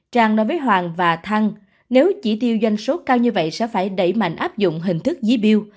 trang nói với hoàng và thăng nếu chỉ tiêu doanh số cao như vậy sẽ phải đẩy mạnh áp dụng hình thức dí biêu